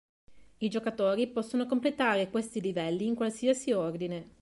I giocatori possono completare questi livelli in qualsiasi ordine.